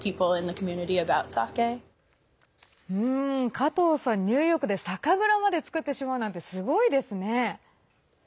加藤さん、ニューヨークで酒蔵まで作ってしまうなんてすごいですよね！